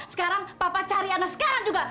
sekarang papa cari anak sekarang juga